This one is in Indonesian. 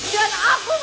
dan aku bersumpah